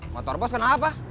motor bos kenapa